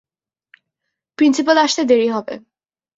Principal আসতে দেরী হবে।